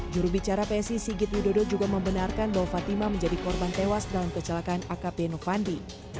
jurubicara psi sigit widodo juga membenarkan bahwa fatima menjadi korban tewas dalam kecelakaan akp novandi